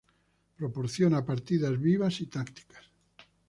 Proporciona partidas vivas y tácticas.